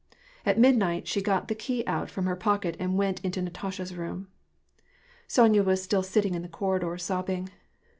At midnight, she got the key out from her pocket, and went to Natasha's room. Sonya was still sitting in the corridor sobbing.